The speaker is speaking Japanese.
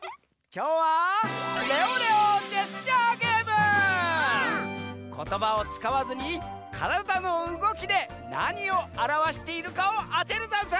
きょうはことばをつかわずにからだのうごきでなにをあらわしているかをあてるざんす！